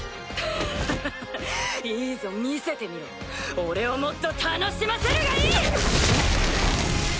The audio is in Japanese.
ハハハいいぞ見せてみろ俺をもっと楽しませるがいい！